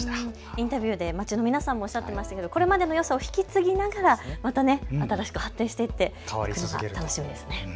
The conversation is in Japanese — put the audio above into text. インタビューで街の皆さんもおっしゃっていましたけれどもこれまでのよさを引き継ぎながらまた新しく発展していってほしいですね。